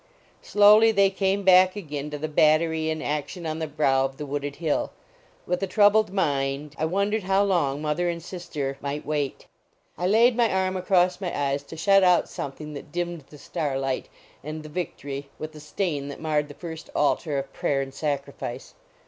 Slowly they came back again to the battery in action on the brow of the wooded hill ; with a troubled mind I won dered how long mother and sister might 223 LAUREL AND CYPRESS wait. I laid my arm across my eyes to shut out something that dimmed the starlight and the victory with the stain that marred the first altar of prayer and sacrifice.